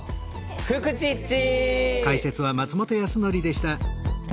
フクチッチ！